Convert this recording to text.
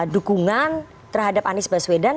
dukungan terhadap anies baswedan